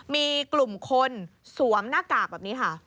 มีกลุ่มคนสวมหน้ากากแบบนี้ค่ะ